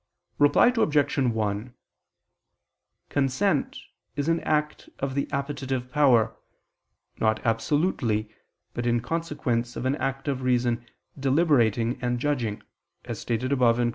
Reply Obj. 1: Consent is an act of the appetitive power, not absolutely, but in consequence of an act of reason deliberating and judging, as stated above (Q.